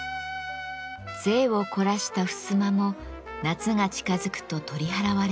贅を凝らしたふすまも夏が近づくと取り払われます。